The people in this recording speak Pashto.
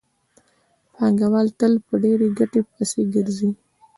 پانګوال تل په ډېرې ګټې پسې ګرځي